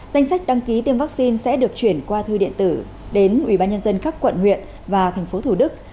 danh sách đăng ký tiêm vaccine sẽ được chuyển qua thư điện tử đến ubnd các quận huyện và thành phố thủ đức